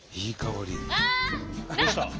いい香り！